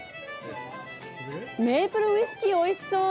メープルウイスキーおいしそう！